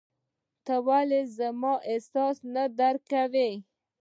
ته ولي زما احساس نه درکوې !